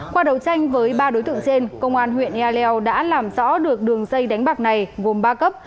qua đấu tranh với ba đối tượng trên công an huyện ea leo đã làm rõ được đường dây đánh bạc này gồm ba cấp